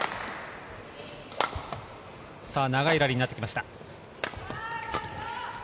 長いラリーになってきました。